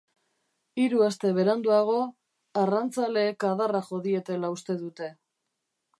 Hiru aste beranduago, arrantzaleek adarra jo dietela uste dute.